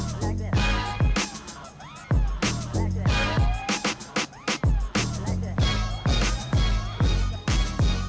sebagai hasil foto terdiri dari empat belas magadas bangunan